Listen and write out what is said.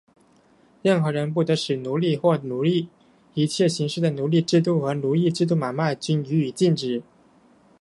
任何人不得使为奴隶或奴役;一切形式的奴隶制度和奴隶买卖,均应予以禁止。